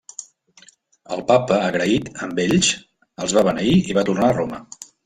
El papa agraït amb ells els va beneir i va tornar a Roma.